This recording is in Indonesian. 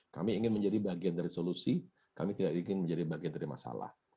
kami ingin menjadi bagian dari solusi kami tidak ingin menjadi bagian dari masalah